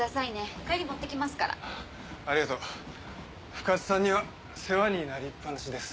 深津さんには世話になりっぱなしです。